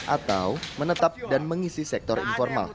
atau menetap dan mengisi sektor informal